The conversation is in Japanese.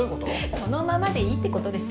そのままでいいってことですよ。